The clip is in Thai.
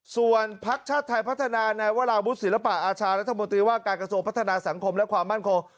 ส่วนพักชาติไทยพัฒนาในวราวุฒิศิลปะอาชารัฐมนตรีว่าการกระทรวงพัฒนาสังคมและความมั่นคง